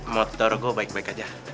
motor gue baik baik aja